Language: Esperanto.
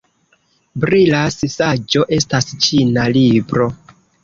Brilas saĝo estas ĉina libro.